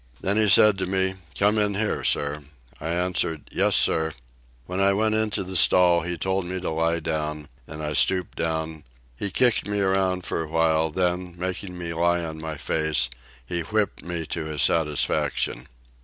Then he said to me, "Come in here, sir." I answered, "Yes, sir." When I went into the stall, he told me to lie down, and I stooped down; he kicked me around for a while, then, making me lie on my face, he whipped me to his satisfaction.